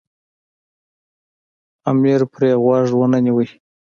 امیر پرې غوږ ونه نیوی.